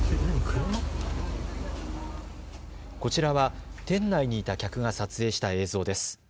こちらは店内にいた客が撮影した映像です。